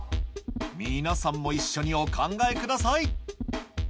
皆さんも一緒にお考えください